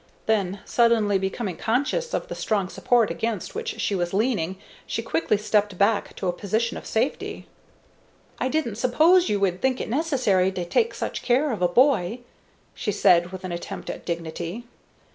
Then, suddenly becoming conscious of the strong support against which she was leaning, she stepped quickly back to a position of safety. "I didn't suppose you would think it necessary to take such care of a boy," she said, with an attempt at dignity.